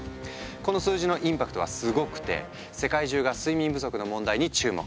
この数字のインパクトはすごくて世界中が睡眠不足の問題に注目。